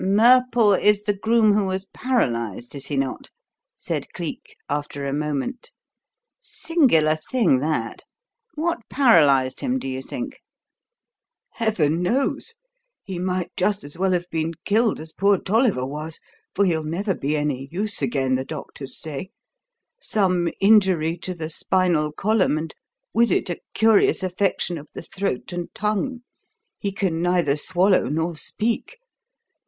"Murple is the groom who was paralysed, is he not?" said Cleek, after a moment. "Singular thing, that. What paralysed him, do you think?" "Heaven knows. He might just as well have been killed as poor Tolliver was, for he'll never be any use again, the doctors say. Some injury to the spinal column, and with it a curious affection of the throat and tongue. He can neither swallow nor speak.